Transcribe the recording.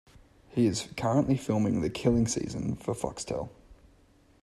He is currently filming The Killing Season for Foxtel.